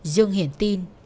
dương hiển tin